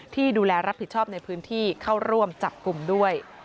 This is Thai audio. ที่ดูแลรับผิดชอบในพื้นที่เข้าร่วมจับกลุ่มด้วย